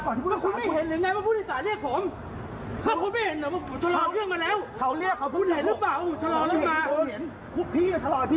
คุณไม่เห็นหรือไงว่าผู้โดยสารเรียกผม